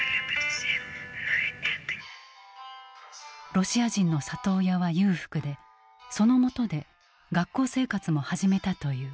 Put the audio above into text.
ロシア人の里親は裕福でそのもとで学校生活も始めたという。